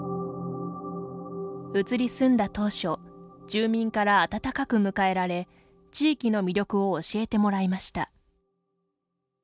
移り住んだ当初住民から温かく迎えられ地域の魅力を教えてもらいました。